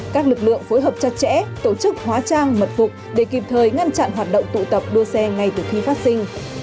các lực lượng phối hợp chặt chẽ tổ chức hóa trang mật phục để kịp thời ngăn chặn hoạt động tụ tập đua xe ngay từ khi phát sinh